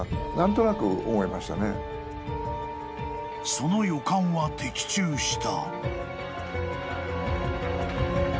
［その予感は的中した］